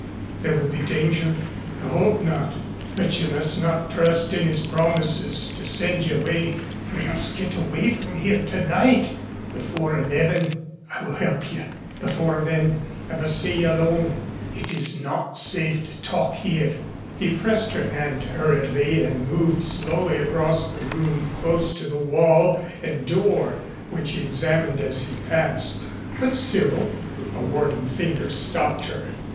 "There will be danger?" "I hope not. But you must not trust his promises to send you away. You must get away from here tonight before eleven. I will help you. Before then I must see you alone. It is not safe to talk here." He pressed her hand hurriedly and moved slowly across the room close to the wall and door, which he examined as he passed. "But, Cyril " A warning finger stopped her.